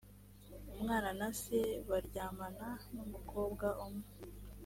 umwana na se baryamana n umukobwa umwe